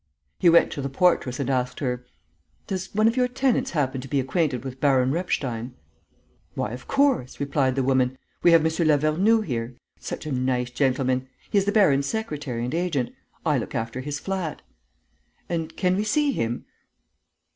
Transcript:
He went to the portress and asked her: "Does one of your tenants happen to be acquainted with Baron Repstein?" "Why, of course!" replied the woman. "We have M. Lavernoux here, such a nice gentleman; he is the baron's secretary and agent. I look after his flat." "And can we see him?"